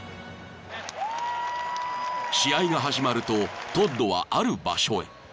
［試合が始まるとトッドはある場所へ］